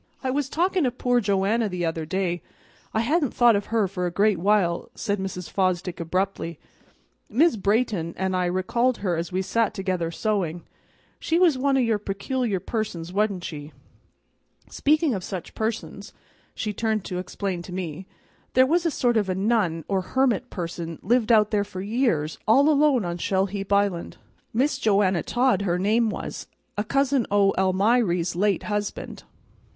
"I was talking o' poor Joanna the other day. I hadn't thought of her for a great while," said Mrs. Fosdick abruptly. "Mis' Brayton an' I recalled her as we sat together sewing. She was one o' your peculiar persons, wa'n't she? Speaking of such persons," she turned to explain to me, "there was a sort of a nun or hermit person lived out there for years all alone on Shell heap Island. Miss Joanna Todd, her name was, a cousin o' Almiry's late husband."